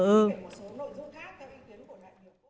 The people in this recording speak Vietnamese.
số nội dung khác theo ý kiến của đại biểu